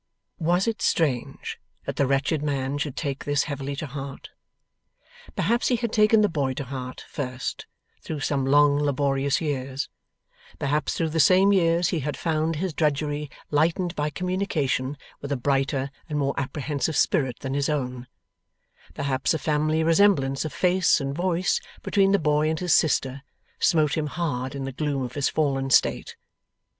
Was it strange that the wretched man should take this heavily to heart? Perhaps he had taken the boy to heart, first, through some long laborious years; perhaps through the same years he had found his drudgery lightened by communication with a brighter and more apprehensive spirit than his own; perhaps a family resemblance of face and voice between the boy and his sister, smote him hard in the gloom of his fallen state.